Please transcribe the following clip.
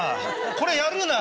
これやるな。